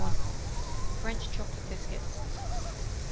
French Chocolate Biscuits.